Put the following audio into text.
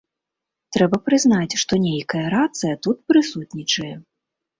Трэба прызнаць, што нейкая рацыя тут прысутнічае.